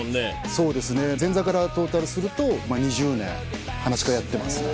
そうですね前座からトータルすると２０年噺家やってますね。